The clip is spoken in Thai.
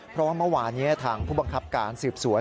เพราะว่าเมื่อวานนี้ทางผู้บังคับการสืบสวน